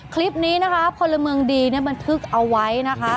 คลิปนี้นะคะพลเมืองดีเนี่ยบันทึกเอาไว้นะคะ